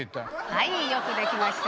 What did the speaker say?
はいよくできました。